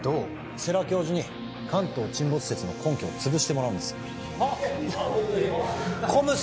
世良教授に関東沈没説の根拠をつぶしてもらうんですＣＯＭＳ